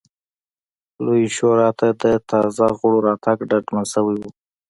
لویې شورا ته د تازه غړو راتګ ډاډمن شوی و